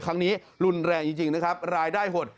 ครั้งนี้รุนแรงจริงนะครับรายได้หด